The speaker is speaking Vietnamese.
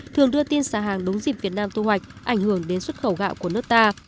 thường đưa tin xả hàng đúng dịp việt nam thu hoạch ảnh hưởng đến xuất khẩu gạo của nước ta